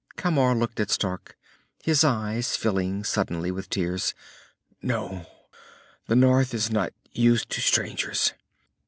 Camar looked at Stark, his eyes filling suddenly with tears. "No. The North is not used to strangers.